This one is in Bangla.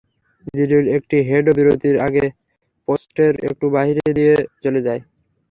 জিরুর একটি হেডও বিরতির আগে পোস্টের একটু বাইরে দিয়ে চলে যায়।